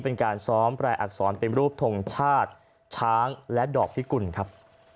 เป็นการซ้อมแปลอักษรเป็นรูปทงชาติช้างและดอกพิกุลครับ